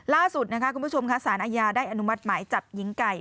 ล่าสุดสารอาญาได้อนุมัติหมายจับหญิงไก่